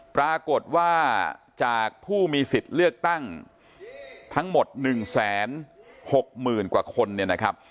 ปรากฏว่าจากผู้มีสิทธิ์เลือกตั้งทั้งหมด๑๖๐๐๐กว่าคนเนี่ยนะครับ